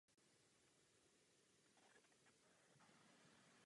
Do procesu oddlužení nebude však moci vstoupit úplně každý.